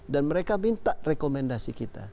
dan mereka minta rekomendasi kita